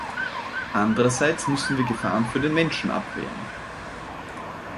Andrerseits müssen wir Gefahren für den Menschen abwehren.